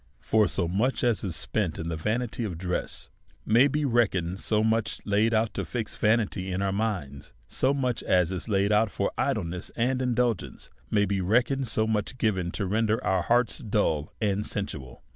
For what is spent in the vanity of dress, may be reckoned so much laid out to fix vanity in our minds. So much as is laid out on idleness and indulgence, may 60 A SERIOUS CALL TO A be reckoned so much given to render our hearts dull and sensual.